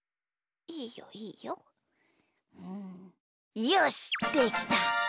うんよしできた！